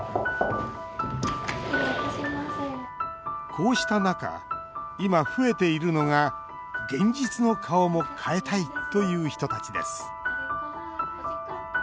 こうした中今、増えているのが「現実の顔も変えたい」という人たちです。